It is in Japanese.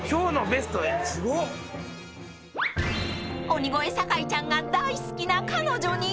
［鬼越坂井ちゃんが大好きな彼女に］